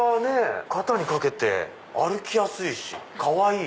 肩に掛けて歩きやすいかわいい。